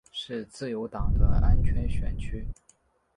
是自由党的安全选区。